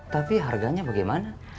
tapi harganya bagaimana